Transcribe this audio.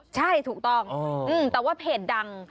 ใช่ถูกต้องแต่ว่าเพจดัง